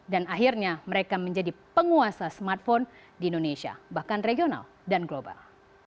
akhirnya mereka menjadi penguasa smartphone di indonesia bahkan regional dan global